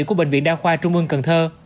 của bệnh viện đa khoa trung mương cần thơ